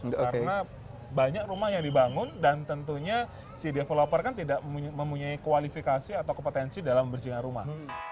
karena banyak rumah yang dibangun dan tentunya si developer kan tidak mempunyai kualifikasi atau kompetensi dalam bersihkan rumah